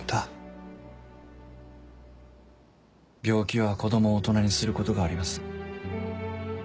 病気は子供を大人にすることがあります。